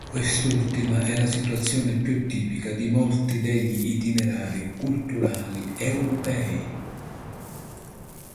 Quest'ultima è la situazione più tipica di molti degli itinerari culturali europei.